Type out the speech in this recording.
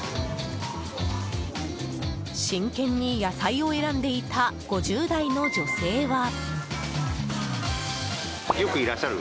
真剣に野菜を選んでいた５０代の女性は。